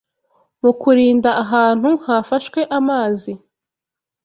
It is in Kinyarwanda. Mu kurinda ahantu hafashwe amazi